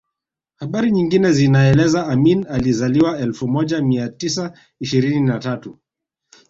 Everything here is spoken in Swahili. Habari nyingine zinaeleza Amin alizaliwa elfu moja mia tisa ishirini na tatu